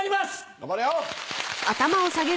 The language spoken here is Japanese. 頑張れよ！